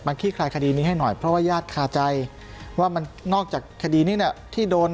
ขี้คลายคดีนี้ให้หน่อยเพราะว่าญาติคาใจว่ามันนอกจากคดีนี้เนี่ยที่โดน